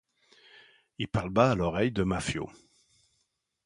Il parle bas à l’oreille de Maffio.